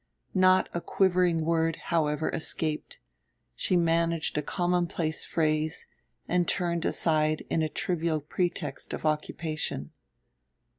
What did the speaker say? Not a quivering word, however, escaped; she managed a commonplace phrase and turned aside in a trivial pretext of occupation.